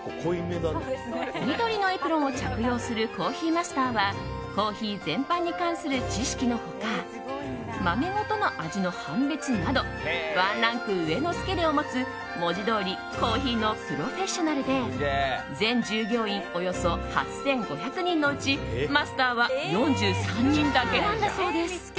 緑のエプロンを着用するコーヒーマスターはコーヒー全般に関する知識の他豆ごとの味の判別などワンランク上のスキルを持つ文字どおりコーヒーのプロフェッショナルで全従業員およそ８５００人のうちマスターは４３人だけなんだそうです。